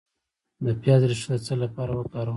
د پیاز ریښه د څه لپاره وکاروم؟